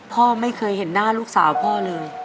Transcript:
พ่อไม่เคยเห็นหน้าลูกสาวพ่อเลย